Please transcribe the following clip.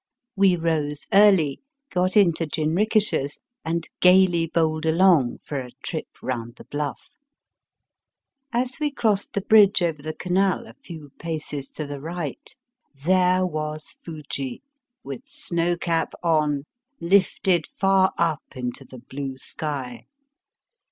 We rose early, got into jinrikishas, and gaily bowled along for a trip round the Bluff. As we crossed the bridge over the canal a few paces to the right, there was Fuji, with snow cap on, lifted far up into the blue sky.